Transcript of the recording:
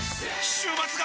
週末が！！